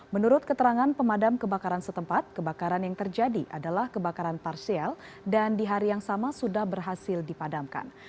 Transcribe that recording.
menurut keterangan pemadam kebakaran setempat kebakaran yang terjadi adalah kebakaran parsial dan di hari yang sama sudah berhasil dipadamkan